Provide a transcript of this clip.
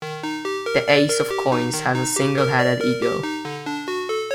The Ace of Coins has a single-headed eagle.